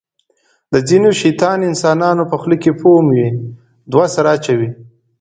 د ځینو شیطان انسانانو په خوله کې فوم وي. دوه سره اچوي.